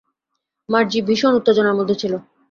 মার্জি ভীষণ উত্তেজনার মধ্যে ছিল।